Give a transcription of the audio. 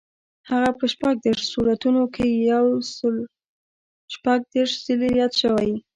هغه په شپږ دېرش سورتونو کې یو سل شپږ دېرش ځلي یاد شوی.